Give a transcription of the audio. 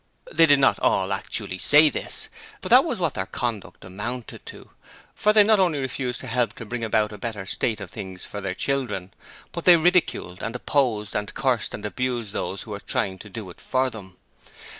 They did not all actually say this, but that was what their conduct amounted to; for they not only refused to help to bring about a better state of things for their children, but they ridiculed and opposed and cursed and abused those who were trying to do it for them.